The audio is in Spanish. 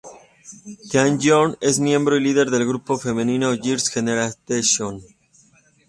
Taeyeon es miembro y líder del grupo femenino Girls' Generation.